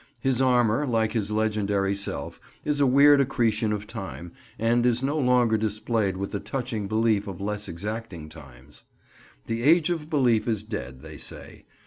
His armour, like his legendary self, is a weird accretion of time, and is no longer displayed with the touching belief of less exacting times. The Age of Belief is dead, they say.